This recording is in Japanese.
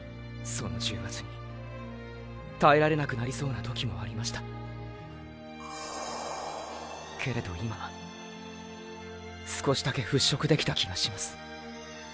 その重圧に耐えられなくなりそうな時もありましたけれど今少しだけ払拭できた気がします